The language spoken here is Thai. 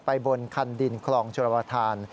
ไปบนคันดินคลองชวรประทาน